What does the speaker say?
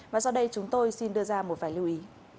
và sau đây chúng tôi xin đưa ra một vài lưu ý